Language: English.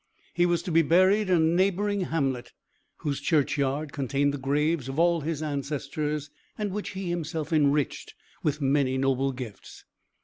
He was to be buried in a neighbouring hamlet, whose churchyard contained the graves of all his ancestors, and which he had himself enriched with many noble gifts.